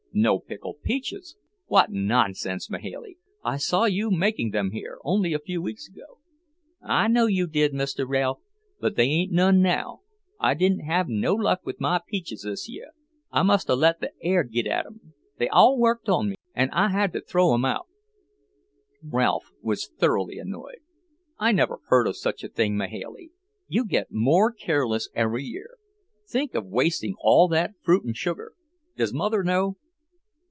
"No pickled peaches? What nonsense, Mahailey! I saw you making them here, only a few weeks ago." "I know you did, Mr. Ralph, but they ain't none now. I didn't have no luck with my peaches this year. I must 'a' let the air git at 'em. They all worked on me, an' I had to throw 'em out." Ralph was thoroughly annoyed. "I never heard of such a thing, Mahailey! You get more careless every year. Think of wasting all that fruit and sugar! Does mother know?"